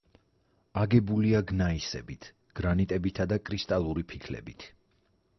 აგებულია გნაისებით, გრანიტებითა და კრისტალური ფიქლებით.